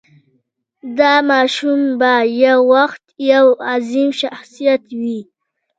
دا ماشوم به یو وخت یو عظیم شخصیت وي.